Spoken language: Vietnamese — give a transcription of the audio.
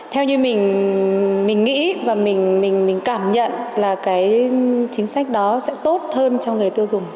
theo như mình nghĩ và mình cảm nhận là cái chính sách đó sẽ tốt hơn cho người tiêu dùng